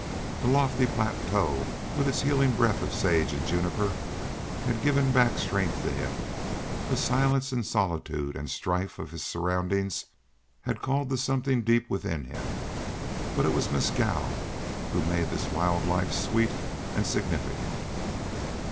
The lofty plateau with its healing breath of sage and juniper had given back strength to him; the silence and solitude and strife of his surroundings had called to something deep within him; but it was Mescal who made this wild life sweet and significant.